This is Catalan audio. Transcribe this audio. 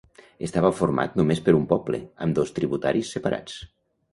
Estava format només per un poble, amb dos tributaris separats.